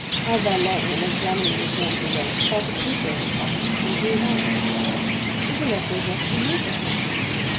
My valet, in examining this mournful relic, felt a paper in the pocket and drew it out; it was a letter addressed to you, baron."